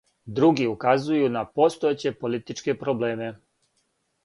Други указују на постојеће политичке проблеме.